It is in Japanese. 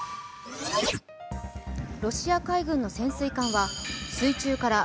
ロシア海軍の潜水艦は水中から